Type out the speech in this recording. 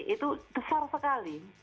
itu besar sekali